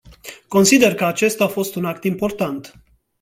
Consider că acesta a fost un act important.